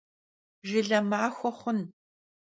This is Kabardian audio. Jjıle maxue xhun!